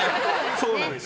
そうなんです。